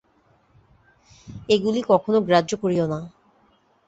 এগুলি কখনও গ্রাহ্য করিও না।